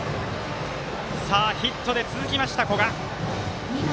ヒットで続きました、古賀。